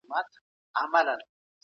که داخلي پانګوال وهڅول سي تولید زیاتیږي.